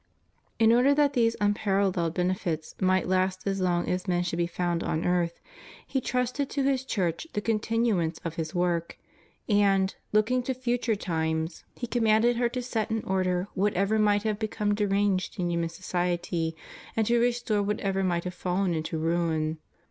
In order that these unparalleled benefits might last as long as men should be found on earth, He trusted to His Church the continuance of His work ; and, looking to future times, > Ephes. i. 9, 10. 58 CHRISTIAN MARRIAGE. 59 He commanded her to set in order whatever might have become deranged in human society, and to restore what ever might have fallen into ruin.